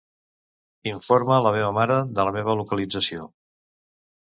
Informa la meva mare de la meva localització.